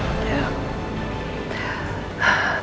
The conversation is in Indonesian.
memang jauh lebih baik